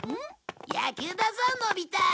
野球だぞのび太。